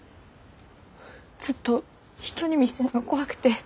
ずっと人に見せんの怖くて。